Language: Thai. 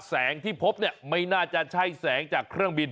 แสงที่พบเนี่ยไม่น่าจะใช่แสงจากเครื่องบิน